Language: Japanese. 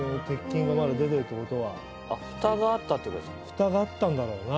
フタがあったんだろうな。